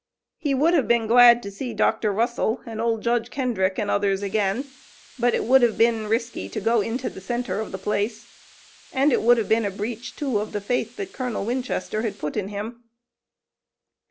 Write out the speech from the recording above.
He would have been glad to see Dr. Russell and old Judge Kendrick and others again, but it would have been risky to go into the center of the place, and it would have been a breach, too, of the faith that Colonel Winchester had put in him.